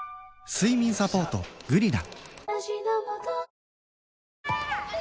睡眠サポート「グリナ」